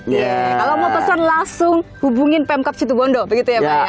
kalau mau pesan langsung hubungin pemkap situbondo begitu ya pak